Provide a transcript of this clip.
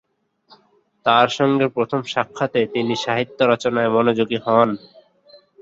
তার সঙ্গে প্রথম সাক্ষাতে তিনি সাহিত্য রচনায় মনোযোগী হন।